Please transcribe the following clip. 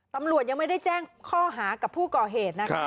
ตำรวจยังไม่ได้แจ้งข้อหากับผู้ก่อเหตุนะคะ